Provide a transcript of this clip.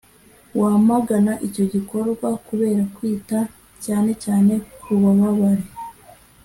wamagana icyo gikorwa kubera kwita cyanecyane ku bubabare